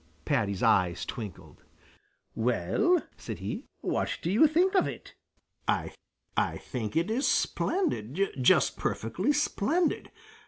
Paddy's eyes twinkled. "Well," said he, "what do you think of it?" "I I think it is splendid, just perfectly splendid!